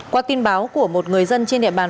qua tin báo của một người dân trên địa bàn